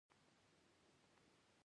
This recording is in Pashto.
ایا ستاسو دعا به کیږي؟